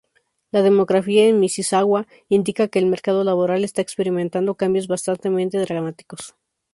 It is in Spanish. La demografía en Mississauga indica que el mercado laboral está experimentando cambios bastante dramáticos.